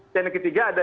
dan yang ketiga ada